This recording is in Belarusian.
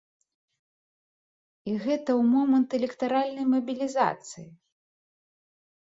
І гэта ў момант электаральнай мабілізацыі!